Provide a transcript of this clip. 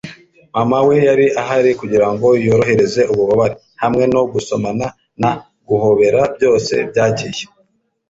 mama we yari ahari kugirango yorohereze ububabare. hamwe no gusomana na guhobera byose byagiye